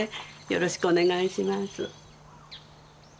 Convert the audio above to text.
よろしくお願いします。